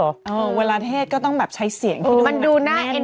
เออเวลาเทศก็ต้องแบบใช้เสียงที่ดูแน่นแง่